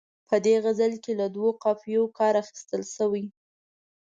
په دې غزل کې له دوو قافیو کار اخیستل شوی.